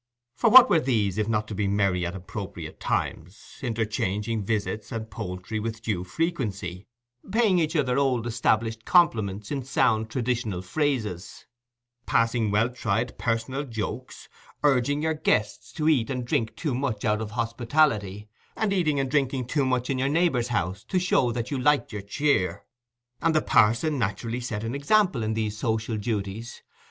For what were these if not to be merry at appropriate times, interchanging visits and poultry with due frequency, paying each other old established compliments in sound traditional phrases, passing well tried personal jokes, urging your guests to eat and drink too much out of hospitality, and eating and drinking too much in your neighbour's house to show that you liked your cheer? And the parson naturally set an example in these social duties.